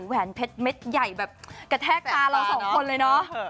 แหวนเพชรเม็ดใหญ่แบบกระแทกตาเราสองคนเลยเนอะ